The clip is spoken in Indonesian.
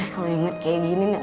kalau inget kayak gini